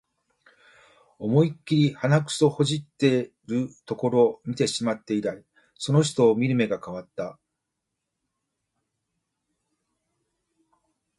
思いっきり鼻くそほじってるところ見てしまって以来、その人を見る目が変わった